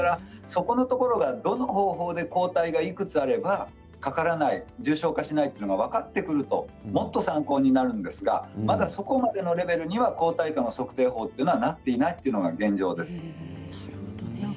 どの方法で抗体がいくつあればかからない重症化しないというのは分かってくるともっと参考になりますがそこまでのレベルには抗体価の測定方法はなっていないんです。